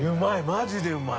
マジでうまい。